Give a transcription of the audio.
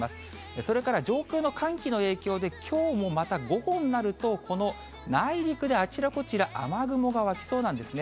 それから上空の寒気の影響で、きょうもまた午後になると、この内陸で、あちらこちら雨雲が湧きそうなんですね。